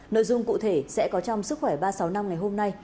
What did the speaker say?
nội dung cụ thể sẽ có trong sức khỏe ba sáu năm ngày hôm nay